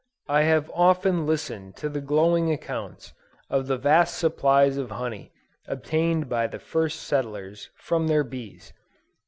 I have often listened to the glowing accounts of the vast supplies of honey obtained by the first settlers, from their bees.